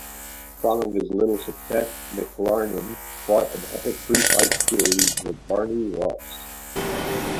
Following his title success, McLarnin fought an epic three-fight series with Barney Ross.